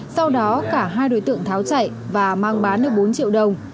sau đó cả hai đối tượng tháo chạy và mang bán được bốn triệu đồng